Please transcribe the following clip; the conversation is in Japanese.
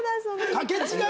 掛け違い。